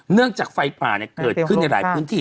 เนื่องจากไฟปลาเนี่ยเกิดขึ้นในหลายพื้นที่